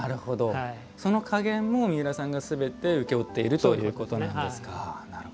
そのかげんも三浦さんがすべて請け負っているということなんですか。